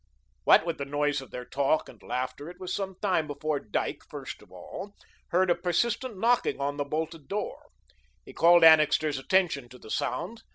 What with the noise of their talk and laughter, it was some time before Dyke, first of all, heard a persistent knocking on the bolted door. He called Annixter's attention to the sound.